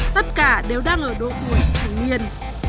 tất cả đều đang ở độ tuổi thành niên